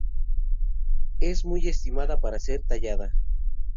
Es muy estimada para ser tallada.